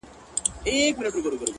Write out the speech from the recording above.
اچيل یې ژاړي’ مړ یې پېزوان دی’